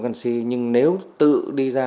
canxi nhưng nếu tự đi ra